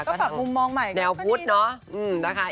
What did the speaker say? ก็แบบมุมมองใหม่แนวพุทธเนอะอืมนะคะ